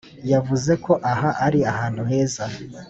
yavuze ko aha ari ahantu heza.